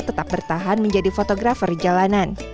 tetap bertahan menjadi fotografer jalanan